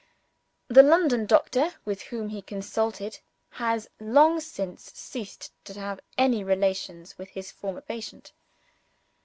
The London doctor with whom he consulted has long since ceased to have any relations with his former patient.